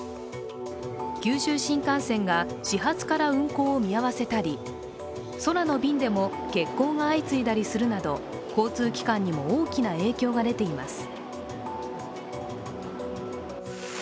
九州新幹線が始発から運行を見合わせたり、空の便でも欠航が相次いだりするなど、交通機関にも大きな影響が出ています。